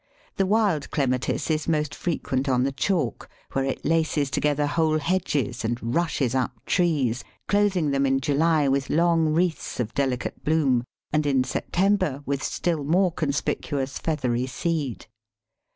The wild Clematis is most frequent on the chalk, where it laces together whole hedges and rushes up trees, clothing them in July with long wreaths of delicate bloom, and in September with still more conspicuous feathery seed.